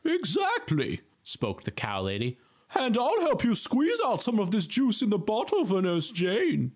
"Exactly," spoke the cow lady, "and I'll help you squeeze out some of this juice in the bottle for Nurse Jane."